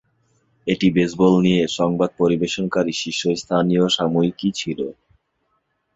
এটি বেসবল নিয়ে সংবাদ পরিবেশনকারী শীর্ষস্থানীয় সাময়িকী ছিল।